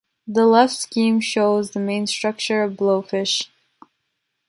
The left scheme show the main structure of Blowfish.